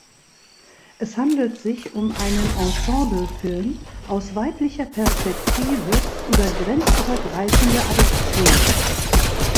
Es handelt sich um einen Ensemblefilm aus weiblicher Perspektive über grenzübergreifende Adoption.